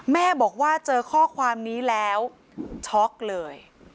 แม่บอกว่าเจอข้อความนี้แล้วช็อกเลย